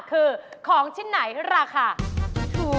คือของที่ไหนราคาถูกที่สุด